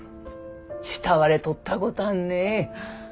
慕われとったごたんね。